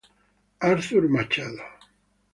Arthur Machado